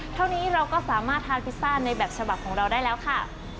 เท่านี้เราก็สามารถทานพิซซ่าในแบบฉบับของเราได้แล้วค่ะ